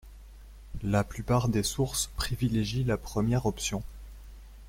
La plupart des sources privilégient la première option.